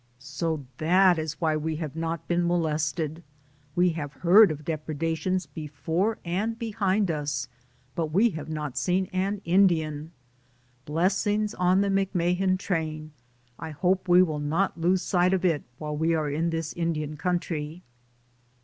So that is why we have not been mo DAYS ON THE ROAD. 143 lested. We have heard of depredations be fore and behind us, but we have not seen an Indian. Blessings on the McMahan train ; I hope we will not lose sight of it while we are in this Indian country.